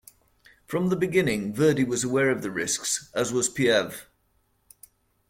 From the beginning, Verdi was aware of the risks, as was Piave.